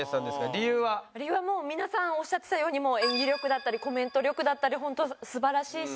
理由はもう皆さんおっしゃってたように演技力だったりコメント力だったりホント素晴らしいし。